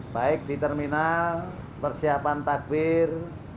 baik di terminal persiapan takbir